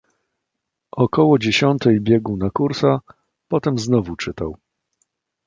"Około dziesiątej biegł na kursa, potem znowu czytał."